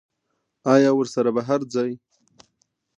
ایا ورسره بهر ځئ؟